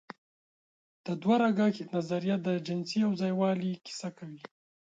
د دوهرګه نظریه د جنسي یوځای والي کیسه کوي.